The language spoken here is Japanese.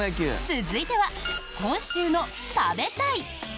続いては今週の「食べたい！」。